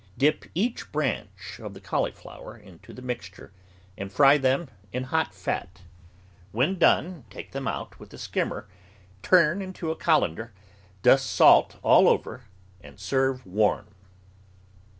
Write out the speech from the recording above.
Dip each branch of the cauliflower into the mixture and fry them in hot fat. When done, take them out with a skimmer, turn into a colander, dust salt all over, and serve warm.